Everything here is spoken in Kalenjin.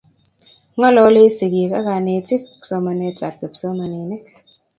Ng'ololee sikik ak kanetik somanetap kipsomaninik